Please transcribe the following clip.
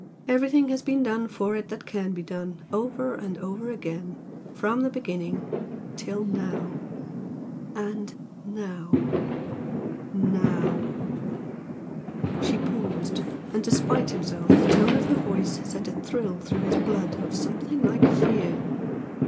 Everything has been done for it that can be done, over and over again, from the beginning till now, and now NOW!" She paused, and despite himself the tone of her voice sent a thrill through his blood of something like fear.